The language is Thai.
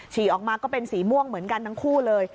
ฉี่ออกมาก็เป็นสีม่วงเหมือนกันทั้งคู่เลย